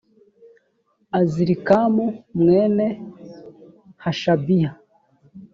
azirikamu mwene hashabiya